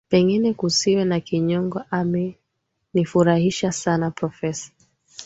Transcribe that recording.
pengine kusiwe na kinyongo ame amenifurahisha sana profesa